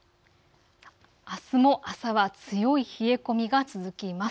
あすも朝は強い冷え込みが続きます。